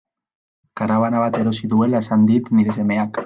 Karabana bat erosi duela esan dit nire semeak.